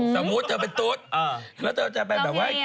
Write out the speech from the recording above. สมมุติเธอเป็นตุ๊ดแล้วเธอจะไปแบบว่า